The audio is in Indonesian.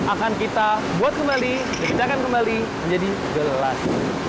akan kita buat kembali kita akan kembali menjadi gelas